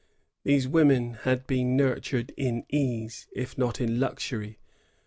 These women had been nurtured in ease, if not in luxury.